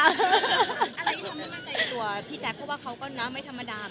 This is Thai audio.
อะไรที่ทำให้มั่นใจตัวพี่แจ๊บพูดว่าเขาก็น้ำไม่ธรรมดา